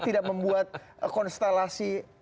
tidak membuat konstelasi